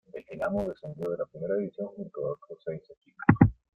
El Dinamo descendió de la Primera división junto a otros seis equipos.